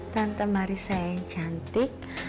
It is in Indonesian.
tante marisa yang cantik